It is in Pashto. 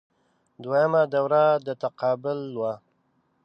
دویمه دوره د تقابل وه